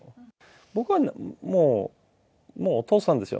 僕はもう、もうお父さんですよ。